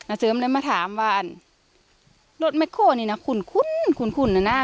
อ่ะเสริมเลยมาถามว่าอันรถแม่โฮบ่นี่น่ะขุ่นขุ่นขุ่นขุ่นอ่ะน่ะ